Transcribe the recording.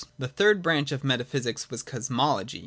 J The third branch of metaphysics was Cosmology.